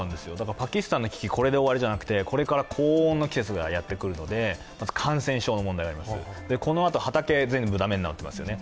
パキスタンの危機、これで終わりじゃなくてこれから高温の季節がやってくるので感染症の問題があります、このあと畑、全部駄目になっていますよね。